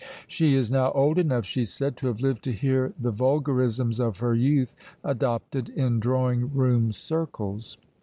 She is now old enough, she said, to have lived to hear the vulgarisms of her youth adopted in drawing room circles.